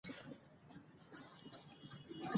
نه ملخ نه یې تر خوله خوږه دانه سوه